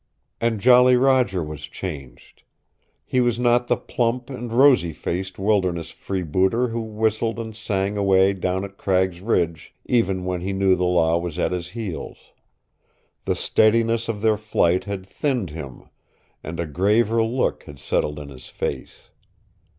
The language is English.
And Jolly Roger was changed. He was not the plump and rosy faced wilderness freebooter who whistled and sang away down at Cragg's Ridge even when he knew the Law was at his heels. The steadiness of their flight had thinned him, and a graver look had settled in his face.